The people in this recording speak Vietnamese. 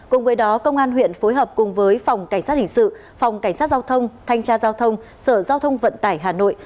cùng với đó công an huyện phối hợp cùng với phòng cảnh sát hình sự phòng cảnh sát giao thông thanh tra giao thông sở giao thông vận tải hà nội